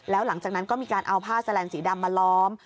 แล้วหลังจากนั้นก็มีการเอาผ้าแสลนสีดำมาล้อม